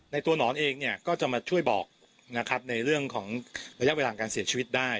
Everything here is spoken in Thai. ในตัวหนอนเองเนี่ยก็จะมาช่วยบอกนะครับในเรื่องของระยะเวลาการเสียชีวิตได้